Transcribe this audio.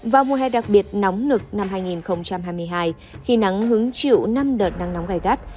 vào mùa hè đặc biệt nóng lực năm hai nghìn hai mươi hai khi nắng hứng chịu năm đợt nắng nóng gai gắt